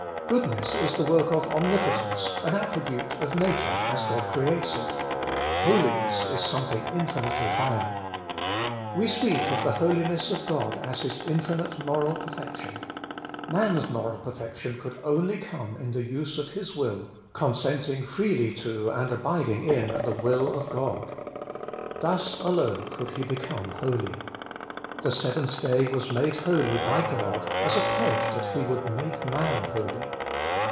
Goodness is the work of omnipotence, an attribute of nature, as God creates it : holiness is something infinitely higher. We speak of the holiness of God as His infinite moral perfection ; man's moral perfection could only come in the use of his will, consenting freely to and abiding in the will of God. Thus alone could he become holy. The seventh day was made holy by God as a pledge that He would make man holy.